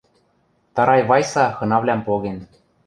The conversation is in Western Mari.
Тарай Вайса хынавлӓм поген...